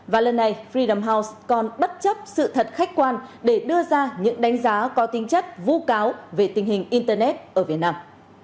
và lần này free the house còn bất chấp sự thật khách quan để đưa ra những đánh giá có tính chất vụ cáo về tình hình internet ở việt nam